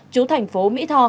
chú thành phố mỹ tho